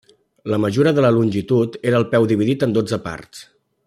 La mesura de longitud era el peu dividit en dotze parts.